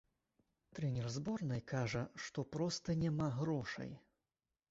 Трэнер зборнай кажа, што проста няма грошай.